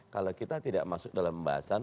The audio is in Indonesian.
kalau kita tidak masuk dalam pembahasan